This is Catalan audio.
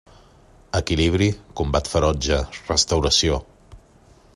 Equilibri, Combat Ferotge, Restauració.